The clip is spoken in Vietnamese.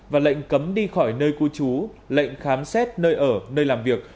và lệnh cấm đi khỏi nơi của chú lệnh khám xét nơi ở nơi làm việc